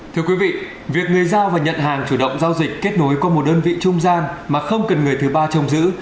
thưa quý vị việc người giao và nhận hàng chủ động giao dịch kết nối qua một đơn vị trung gian mà không cần người thứ ba trông giữ